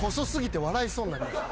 笑いそうになりました。